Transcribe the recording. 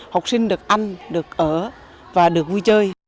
học sinh được ăn được ở và được vui chơi